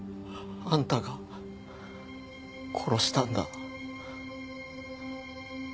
あんたが殺したんだ！